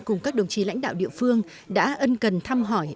cùng các đồng chí lãnh đạo địa phương đã ân cần thăm hỏi